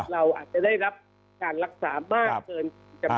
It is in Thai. เราอาจจะได้รับการรักษามากเกินจำนวน